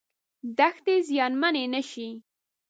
دښتې زیانمنې نشي.